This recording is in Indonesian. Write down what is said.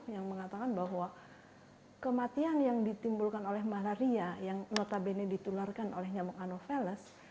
yang mengatakan bahwa kematian yang ditimbulkan oleh malaria yang notabene ditularkan oleh nyamuk anopheles